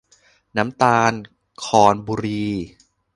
น้ำตาลครบุรี